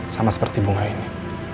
sama seperti bunga ini